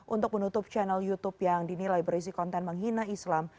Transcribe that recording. untuk menutup channel youtube yang dinilai berisi konten menghina islam